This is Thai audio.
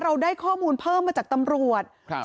เราได้ข้อมูลเพิ่มมาจากตำรวจครับ